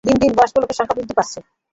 দিন দিন বয়স্ক লোকের সংখ্যা বৃদ্ধি পাবে।